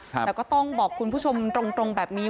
แต่ก็ต้องบอกคุณผู้ชมตรงแบบนี้